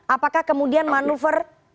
apakah kemudian manuver